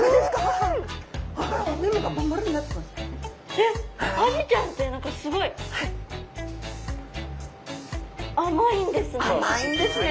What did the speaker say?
えっアジちゃんって何かすごい甘いんですね。